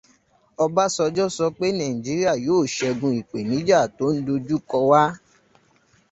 Ọbásanjọ́ sọ pé Nàìjíríà yóò ṣẹ́gun ìpèníjà tó ń dojú kọ wá